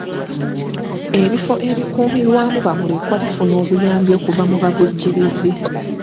Ebifo ebikuumirwamu bamulekwa bifuna obuyambi okuva mu bavujjirizi.